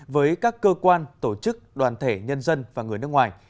với các cơ quan tổ chức đoàn thể nhân dân và người nước ngoài